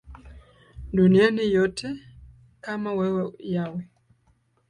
Dunia yote kama wewe Yahweh